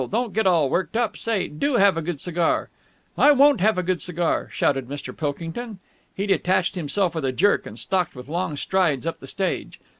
Don't get all worked up! Say, do have a good cigar!" "I won't have a good cigar!" shouted Mr. Pilkington. He detached himself with a jerk, and stalked with long strides up the stage.